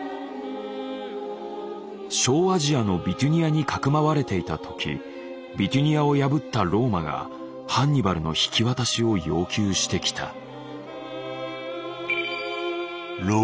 小アジアのビテュニアにかくまわれていた時ビテュニアを破ったローマがハンニバルの引き渡しを要求してきた。